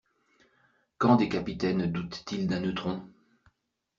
Quand des capitaines doutent-ils d'un neutron?